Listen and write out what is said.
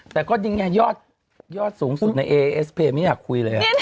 ต้องไปดู